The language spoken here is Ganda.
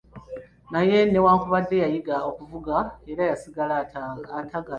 Naye newankubadde yayiga okuvuga era yasigala atagala.